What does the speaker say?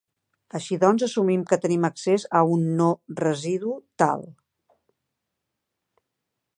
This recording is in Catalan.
Així doncs assumim que tenim accés a un no-residu tal.